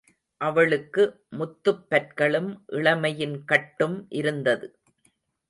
அவளுக்கு முத்துப்பற்களும் இளமையின் கட்டும் இருந்தது.